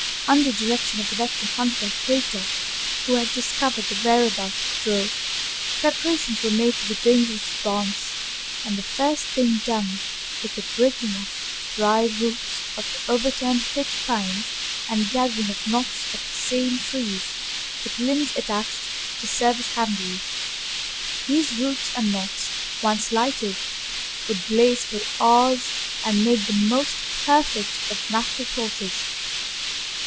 Under direction of the veteran hunter, Hilltop, who had discovered the whereabouts of the drove, preparations were made for the dangerous advance, and the first thing done was the breaking off of dry roots of the overturned pitch pines, and gathering of knots of the same trees, with limbs attached, to serve as handles. These roots and knots, once lighted, would blaze for hours and made the most perfect of natural torches.